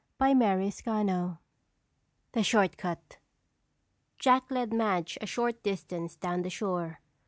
CHAPTER XIV The Shortcut Jack led Madge a short distance down the shore.